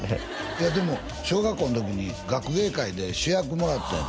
いやでも小学校の時に学芸会で主役もらったんや